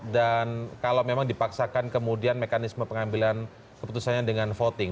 dan kalau memang dipaksakan kemudian mekanisme pengambilan keputusannya dengan voting